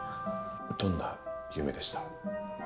どんな夢でした？